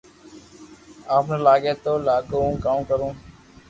آپ ني لاگي تو لاگو ھون ڪاو ڪرو